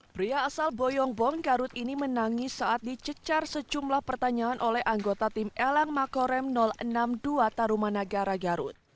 pria asal boyongbong garut ini menangis saat dicecar secumlah pertanyaan oleh anggota tim elang makorem enam puluh dua taruman negara garut